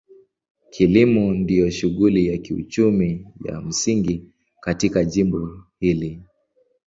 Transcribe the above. Kilimo ndio shughuli ya kiuchumi ya msingi katika jimbo hili.